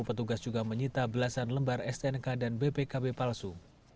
petugas juga menyita belasan lembar stnk dan bpkb palsu